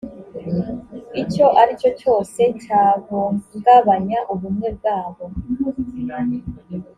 icyo aricyo cyose cyahungabanya ubumwe bwabo